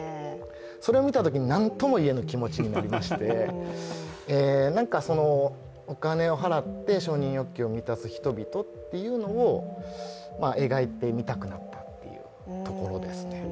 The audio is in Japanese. それを見たときになんとも言えぬ気持ちになりましてお金を払って、承認欲求を満たす人々というのを描いてみたくなったところですね。